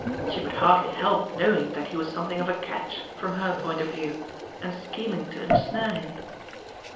She could hardly help knowing that he was something of a "catch" from her point of view, and scheming to ensnare him.